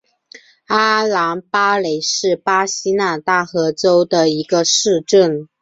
阿兰巴雷是巴西南大河州的一个市镇。